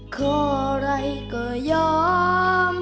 ข้ออะไรก็ยอม